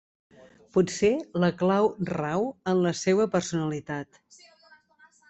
Potser la clau rau en la seua personalitat.